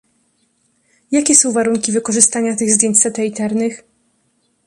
Jakie są warunki wykorzystania tych zdjęć satelitarnych?